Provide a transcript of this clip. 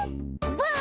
ブー！